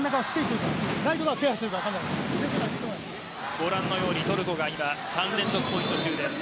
ご覧のようにトルコが３連続ポイント中です。